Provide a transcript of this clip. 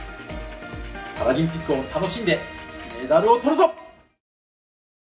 パラリンピックを楽しんでメダルをとるぞ！